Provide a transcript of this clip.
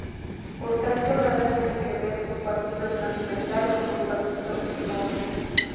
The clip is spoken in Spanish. Por tanto nada tiene que ver un partido transversal con un partido escoba.